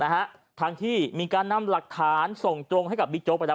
นะฮะทางที่มีการนำหลักฐานส่งจงให้กับบิโจประทับ